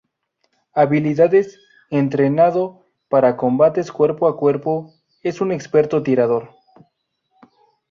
Habilidades: Entrenado para combates cuerpo a cuerpo, es un experto tirador.